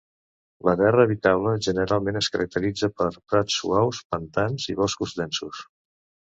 La terra habitable generalment es caracteritza per prats suaus, pantans i boscos densos.